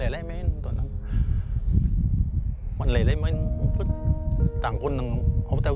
แล้วก็ใช้กล้องทุกป์แรงมาก